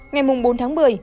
ngày bốn tháng một mươi